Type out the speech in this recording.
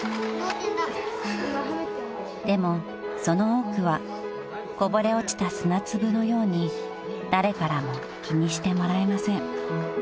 ［でもその多くはこぼれ落ちた砂粒のように誰からも気にしてもらえません］